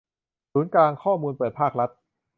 ศูนย์กลางข้อมูลเปิดภาครัฐ